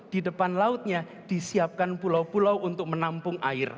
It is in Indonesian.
di depan lautnya disiapkan pulau pulau untuk menampung air